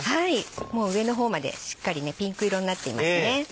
もう上の方までしっかりねピンク色になっていますね。